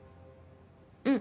うん。